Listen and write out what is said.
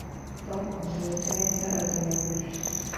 Tom ahumeka neza, azimya buji.